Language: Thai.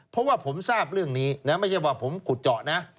เพราะว่าผมทราบเรื่องนี้นะไม่ใช่ว่าผมขุดเจาะนะ